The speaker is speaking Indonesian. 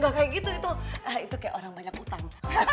kalau kayak gitu itu kayak orang banyak utang